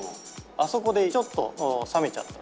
あそこでちょっと冷めちゃったと。